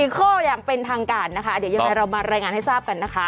ข้ออย่างเป็นทางการนะคะเดี๋ยวยังไงเรามารายงานให้ทราบกันนะคะ